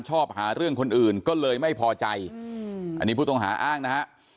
ชอบหาเรื่องคนอื่นก็เลยไม่พอใจอันนี้ผู้ต้องหาอ้างนะฮะ